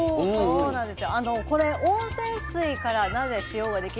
そうなんです。